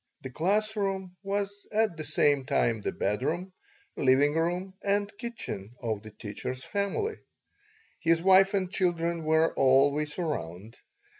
The class room was at the same time the bedroom, living room, and kitchen of the teacher's family. His wife and children were always around.